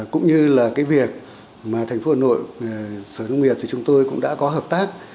cũng như là cái việc mà thành phố hà nội sở nông nghiệp thì chúng tôi cũng đã có hợp tác